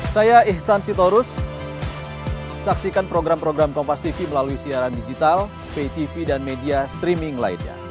saya ihsan sitorus saksikan program program kompastv melalui siaran digital ptv dan media streaming lainnya